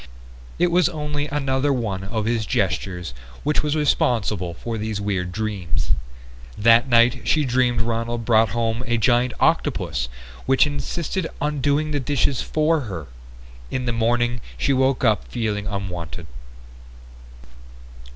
It was only another one of his gestures which was responsible for these weird dreams. That night she dreamed Ronald brought home a giant octopus which insisted on doing the dishes for her. In the morning she woke up feeling unwanted.